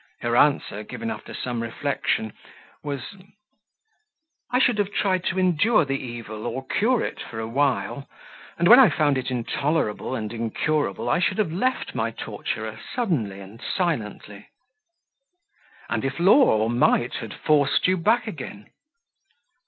Her answer, given after some reflection, was "I should have tried to endure the evil or cure it for awhile; and when I found it intolerable and incurable, I should have left my torturer suddenly and silently." "And if law or might had forced you back again?"